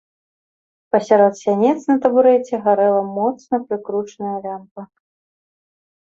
Пасярод сянец на табурэце гарэла моцна прыкручаная лямпа.